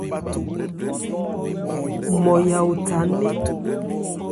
Nmɔya òtha nné.